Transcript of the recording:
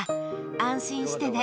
安心してね。